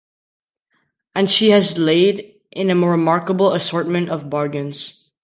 And she has laid in a remarkable assortment of bargains.